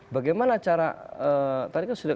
bagaimana cara tadi kan sudah